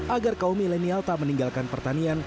agar kaum milenial tak meninggalkan pertanian